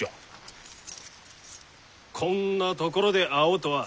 こんな所で会おうとは。